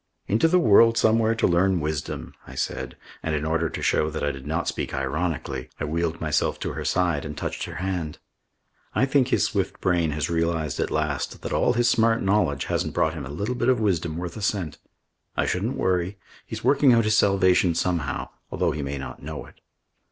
"Into the world somewhere to learn wisdom," I said, and in order to show that I did not speak ironically, I wheeled myself to her side and touched her hand. "I think his swift brain has realised at last that all his smart knowledge hasn't brought him a little bit of wisdom worth a cent. I shouldn't worry. He's working out his salvation somehow, although he may not know it."